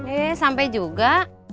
eh sampai juga